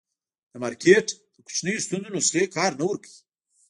د مارکېټ د کوچنیو ستونزو نسخې کار نه ورکوي.